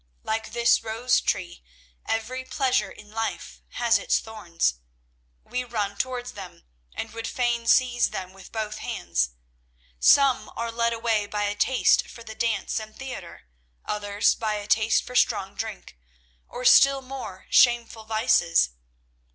"Like this rose tree, every pleasure in life has its thorns. We run towards them, and would fain seize them with both hands. Some are led away by a taste for the dance and theatre, others by a taste for strong drink, or still more shameful vices.